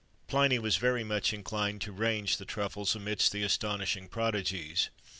Pliny was very much inclined to range the truffles amidst astonishing prodigies.